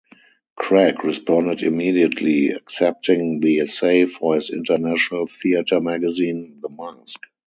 Craig responded immediately, accepting the essay for his international theater magazine, "The Mask".